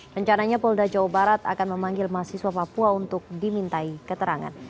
rencananya polda jawa barat akan memanggil mahasiswa papua untuk dimintai keterangan